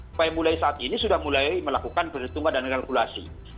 supaya mulai saat ini sudah mulai melakukan perhitungan dan kalkulasi